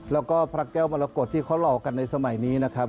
แล้วก็พระแก้วมรกฏที่เขาหล่อกันในสมัยนี้นะครับ